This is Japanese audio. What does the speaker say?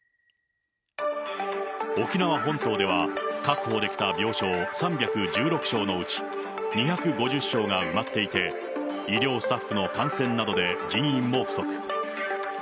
沖縄本島では、確保できた病床３１６床のうち２５０床が埋まっていて、医療スタッフの感染などで人員も不足。